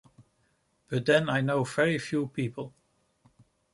But then I know very few people.